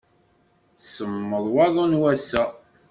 Semmeḍ waḍu n wass-a.